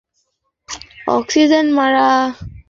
কারণ এখানে অক্সিজেনের মাত্রা কম।